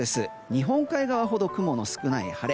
日本海側ほど雲の少ない晴れ。